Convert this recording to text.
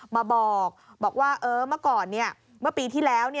มาบอกว่าเมื่อปีที่แล้ว